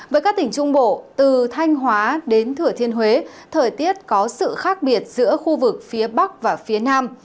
với các tỉnh trung bộ từ thanh hóa đến thừa thiên huế thời tiết có sự khác biệt giữa khu vực phía bắc và phía nam